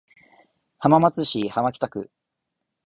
浜松市浜北区